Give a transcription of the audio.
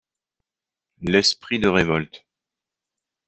L'esprit de révolte.